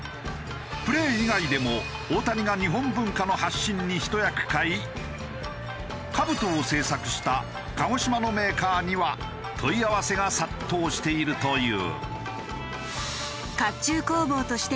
プレー以外でも大谷が日本文化の発信にひと役買い兜を製作した鹿児島のメーカーには問い合わせが殺到しているという。